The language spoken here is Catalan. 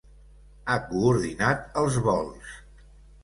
Ha coordinat els vols.